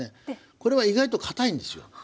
これは意外とかたいんですよ。